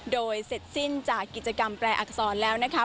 โดยเสร็จสิ้นจากกิจกรรมแปลอักษรแล้วนะคะ